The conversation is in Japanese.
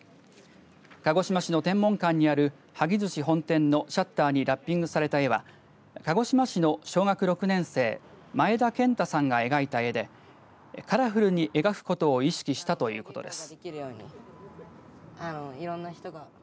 鹿児島市の天文館にある萩寿司本店のシャッターにラッピングされた絵は鹿児島市の小学６年生前田健太さんが描いた絵でカラフルに描くことを意識したということです。